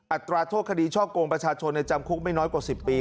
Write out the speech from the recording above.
อัตราโทษคดีช่อกงประชาชนในจำคุกไม่น้อยกว่า๑๐ปี